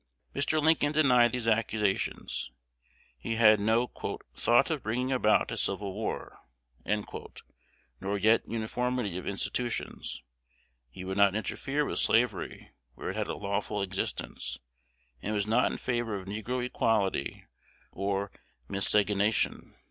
Mr. Lincoln denied these accusations; he had no "thought of bringing about civil war," nor yet uniformity of institutions: he would not interfere with slavery where it had a lawful existence, and was not in favor of negro equality or miscegenation.